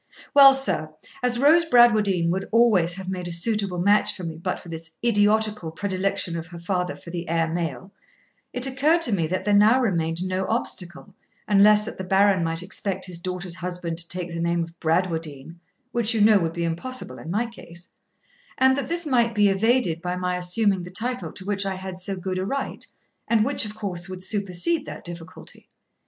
Well, sir, as Rose Bradwardine would always have made a suitable match for me but for this idiotical predilection of her father for the heir male, it occurred to me there now remained no obstacle unless that the Baron might expect his daughter's husband to take the name of Bradwardine (which you know would be impossible in my case), and that this might be evaded by my assuming the title to which I had so good a right, and which, of course, would supersede that difficulty.